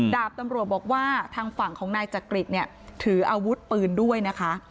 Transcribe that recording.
ดาบตำรวจบอกว่าทางฝั่งของนายจักริตเนี่ยถืออาวุธปืนด้วยนะคะ